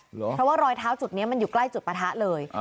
เพราะว่ารอยเท้าจุดนี้มันอยู่ใกล้จุดปะทะเล